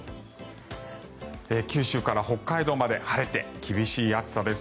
九州から北海道まで晴れて厳しい暑さです。